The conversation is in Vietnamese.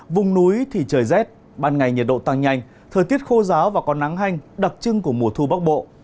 vùng núi thì trời rét ban ngày nhiệt độ tăng nhanh thời tiết khô giáo và có nắng hanh đặc trưng của mùa thu bắc bộ